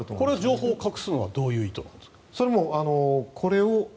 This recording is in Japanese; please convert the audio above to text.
情報を隠すのはどういう意図ですか？